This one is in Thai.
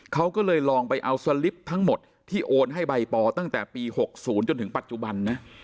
เขาก็เลยลองไปเอาสลิปทั้งหมดที่โอนให้ใบปอตั้งแต่ปี๖๐จนถึงปัจจุบันนะ